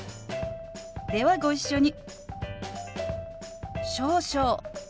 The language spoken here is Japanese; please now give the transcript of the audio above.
ではご一緒に。